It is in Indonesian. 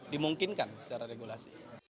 dimungkinkan secara regulasi